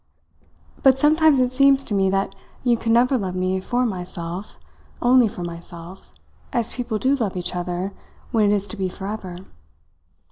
But sometimes it seems to me that you can never love me for myself, only for myself, as people do love each other when it is to be for ever."